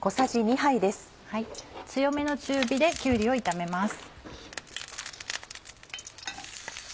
強めの中火できゅうりを炒めます。